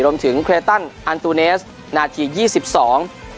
รวมถึงเครตันอันตูเนสนาทียี่สิบสอง